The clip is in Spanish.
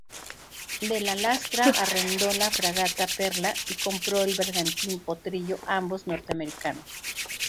De la Lastra arrendó la fragata Perla y compró el bergantín Potrillo ambos norteamericanos.